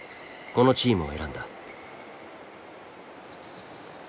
このチームを選んだ。